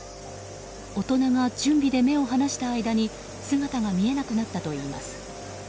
大人が準備で目を離した間に姿が見えなくなったといいます。